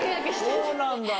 そうなんだ。